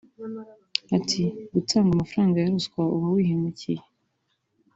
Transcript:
Ati “Gutanga amafaranga ya ruswa uba wihemukiye